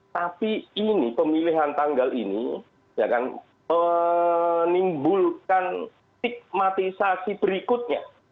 tapi ini pemilihan tanggal ini menimbulkan stigmatisasi berikutnya